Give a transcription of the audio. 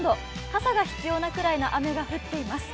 傘が必要なくらいの雨が降っています。